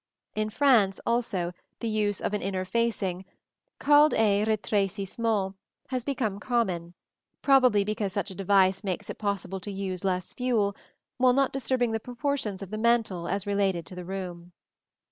In France, also, the use of an inner facing (called a retrécissement) has become common, probably because such a device makes it possible to use less fuel, while not disturbing the proportions of the mantel as related to the room.